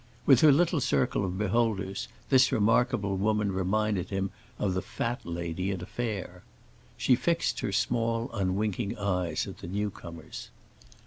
With her little circle of beholders this remarkable woman reminded him of the Fat Lady at a fair. She fixed her small, unwinking eyes at the new comers.